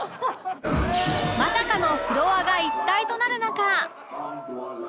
まさかのフロアが一体となる中